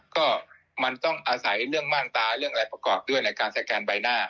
ก็มันต้องอาศัยเรื่องม่านตาเรื่องอะไรประกอบด้วยในการสแกนใบหน้า